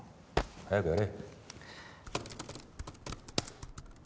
早くやれ！